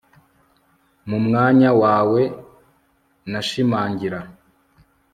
Mu mwanya wawe nashimangira